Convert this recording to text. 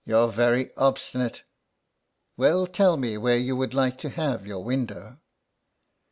" You're very obstinate. Well, tell me where you would like to have your window."